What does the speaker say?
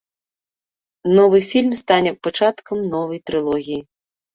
Новы фільм стане пачаткам новай трылогіі.